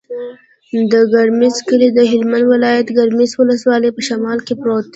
د ګرمسر کلی د هلمند ولایت، ګرمسر ولسوالي په شمال کې پروت دی.